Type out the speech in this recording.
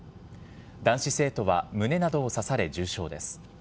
男子生徒は胸などを刺され重傷です。